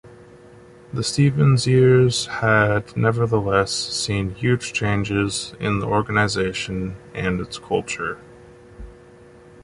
The Stevens years had nevertheless seen huge changes in the organisation and its culture.